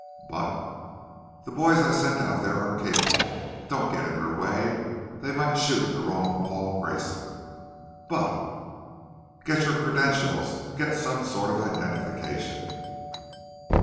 "But " "The boys I sent out there are capable. Don't get in their way. They might shoot the wrong Paul Grayson." "But " "Get your credentials. Get some sort of identification."